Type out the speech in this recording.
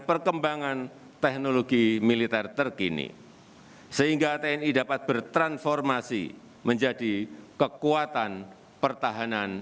perkembangan teknologi militer terkini sehingga tni dapat bertransformasi menjadi kekuatan pertahanan